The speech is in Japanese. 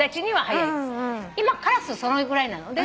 今カラスそのぐらいなの。